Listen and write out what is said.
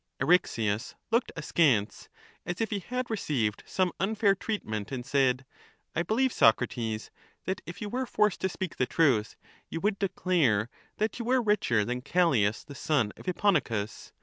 Eryxias looked askance, as if he had received some unfair 395 treatment, and said, I believe, Socrates, that if you were forced to speak the truth, you would declare that you were richer than Callias the son of Hipponicus.